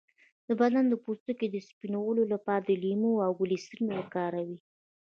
د بدن د پوستکي د سپینولو لپاره د لیمو او ګلسرین وکاروئ